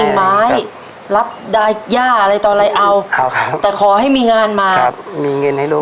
กิ่งไม้รับย่าอะไรตอนไรเอาเอาครับแต่ขอให้มีงานมาครับมีเงินให้โลก